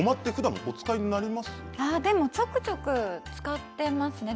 ちょくちょく使ってますね。